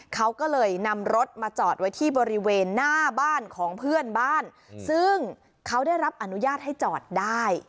เขาก็เลยนำรถมาจอดไว้ที่บริเวณหน้าบ้านของเพื่อนบ้านซึ่งเขาได้รับอนุญาตให้จอดได้